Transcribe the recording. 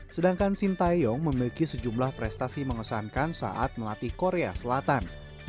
sedangkan sintayong memiliki sejumlah prestasi mengesankan saat melatih korea selatan